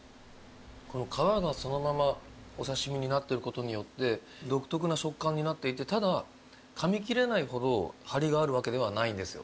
この皮がそのままお刺身になってることによって独特な食感になっていてただかみ切れないほどハリがあるわけではないんですよ。